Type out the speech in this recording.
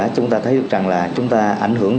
chúng ta thấy được rằng là chúng ta ảnh hưởng